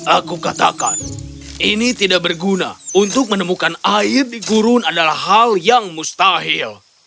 aku katakan ini tidak berguna untuk menemukan air di gurun adalah hal yang mustahil